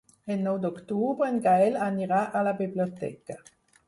El nou d'octubre en Gaël anirà a la biblioteca.